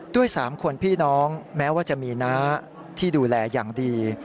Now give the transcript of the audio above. ๓คนพี่น้องแม้ว่าจะมีน้าที่ดูแลอย่างดี